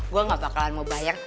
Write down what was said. gue gak bakalan mau bayar